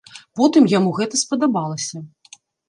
Потым яму гэта спадабалася.